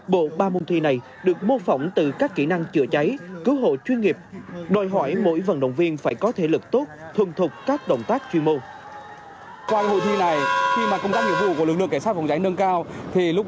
bộ ba môn thi này được mô phỏng từ các kỹ năng chữa cháy cứu hộ chuyên nghiệp